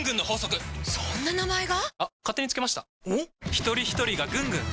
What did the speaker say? ひとりひとりがぐんぐん！